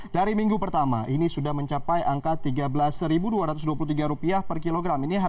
dari minggu pertama ini sudah mencapai angka rp tiga belas dua ratus dua puluh tiga per kilogram